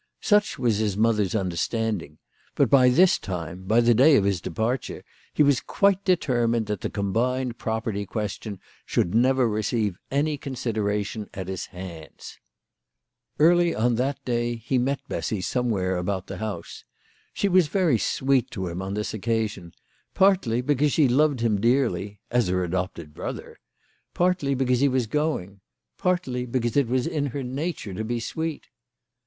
Such was his mother's understand ing ; but by this time, by the day of his departure, he was quite determined that the combined property question should never receive any consideration at his hands. Early on that day he met Bessy somewhere about the house. She was very sweet to him on this occasion, partly because she loved him dearly, as her adopted THE LADY OF LAUNAY. 119 brother ; partly because lie was going ; partly because it was her nature to be sweet